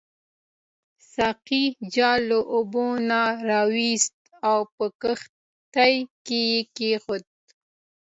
ساقي جال له اوبو نه راوایست او په کښتۍ کې کېښود.